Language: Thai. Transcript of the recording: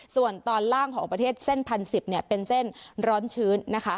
ส่วนตอนล่างของประเทศเส้น๑๐๑๐เป็นเส้นร้อนชื้นนะคะ